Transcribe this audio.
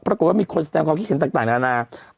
ปรากฏว่ามีคนแสดงความคิดเห็นต่างนานา